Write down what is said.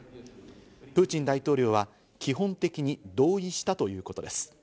プーチン大統領は基本的に同意したということです。